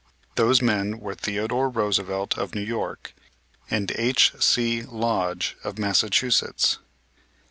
Those men were Theodore Roosevelt, of New York, and H.C. Lodge, of Massachusetts.